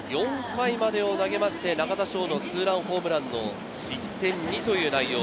４回までを投げまして中田翔のツーランホームランの失点２という内容。